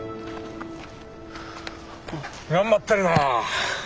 頑張ってるなあ。